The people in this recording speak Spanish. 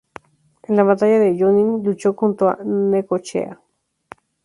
En la Batalla de Junín luchó junto a Necochea.